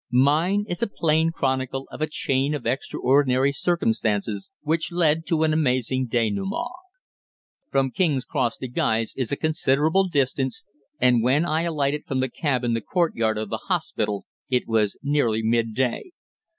Mine is a plain chronicle of a chain of extraordinary circumstances which led to an amazing dénouement. From King's Cross to Guy's is a considerable distance, and when I alighted from the cab in the courtyard of the hospital it was nearly mid day.